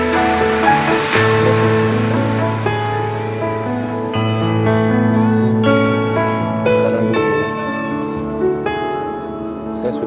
saya sangat mencintai kamu